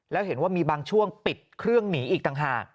แล้วเห็นว่ามีบางช่วงปิดเครื่องหนีอีกต่างหาก